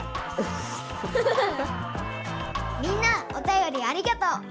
みんなおたよりありがとう！